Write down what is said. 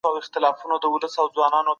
تاسي باید د دغه نرمغالي سره ښه بلدتیا ولرئ.